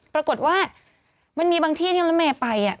ปรากฏว่ามันมีบางที่ที่รถเมย์ไป